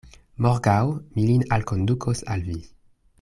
Morgaŭ mi lin alkondukos al vi.